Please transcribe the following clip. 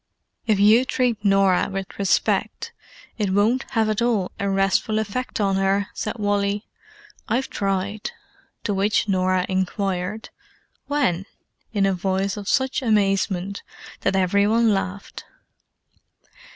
"If you treat Norah with respect it won't have at all a restful effect on her," said Wally. "I've tried." To which Norah inquired, "When?" in a voice of such amazement that every one laughed.